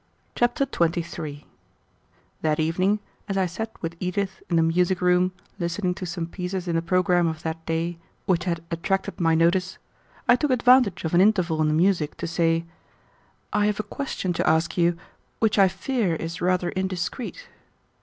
Chapter 23 That evening, as I sat with Edith in the music room, listening to some pieces in the programme of that day which had attracted my notice, I took advantage of an interval in the music to say, "I have a question to ask you which I fear is rather indiscreet."